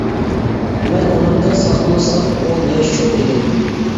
مەن ئۇنىڭدىن ساقمۇ ساق ئون ياش چوڭ ئىدىم.